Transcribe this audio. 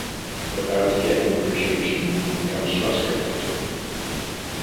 Without getting appreciation he becomes frustrated.